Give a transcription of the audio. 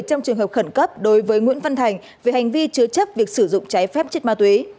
trong trường hợp khẩn cấp đối với nguyễn văn thành về hành vi chứa chấp việc sử dụng trái phép chất ma túy